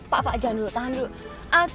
pak pak jangan dulu tahan dulu